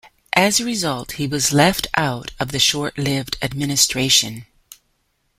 As a result, he was left out of the short-lived administration.